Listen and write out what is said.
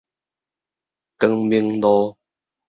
光明路